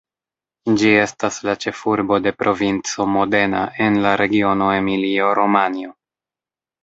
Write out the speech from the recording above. Ĝi estas la ĉefurbo de Provinco Modena en la regiono Emilio-Romanjo.